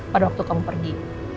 pada waktu kamu pergi